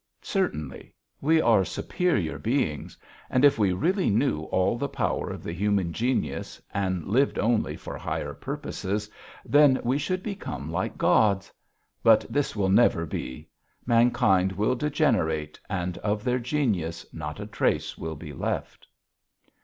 "Certainly. We are superior beings, and if we really knew all the power of the human genius and lived only for higher purposes then we should become like gods. But this will never be. Mankind will degenerate and of their genius not a trace will be left."